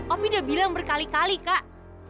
om udah bilang berkali kali kak